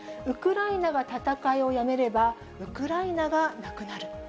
ウクライナが戦いをやめればウクライナがなくなる。